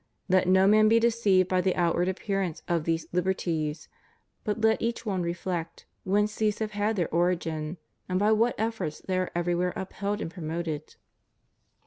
Let no man be deceived by the outward appear ance of these liberties, but let each one reflect whence these have had their origin, and by what efforts they are every where upheld and promoted.